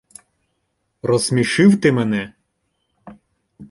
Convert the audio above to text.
- Розсмішив ти мене?